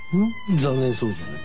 残念そうじゃない？